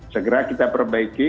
segera kita perbaiki